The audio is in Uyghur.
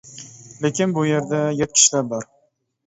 لېكىن بۇ يەردە يات كىشىلەر بار.